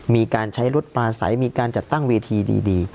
มีการใช้รถปลาใสมีการจัดตั้งเวทีดี